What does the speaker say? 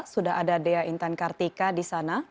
sudah ada dea intan kartika di sana